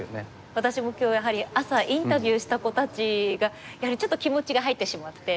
私も今日やはり朝インタビューした子たちがやはりちょっと気持ちが入ってしまって。